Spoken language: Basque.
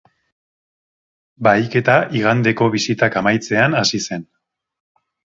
Bahiketa igandeko bisitak amaitzean hasi zen.